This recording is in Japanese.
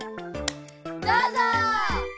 どうぞ！